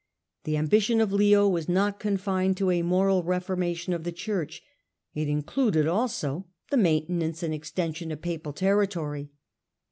The ambition of Leo was not confined to a moral reformation of the Church ; it included also the maintenance and extension of papal territory.